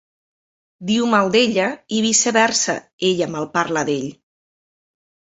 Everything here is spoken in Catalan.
Diu mal d'ella, i viceversa, ella malparla d'ell.